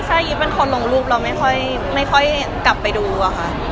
ใช่ยิบเป็นคนลงรูปเราไม่ค่อยกลับไปดูอะค่ะ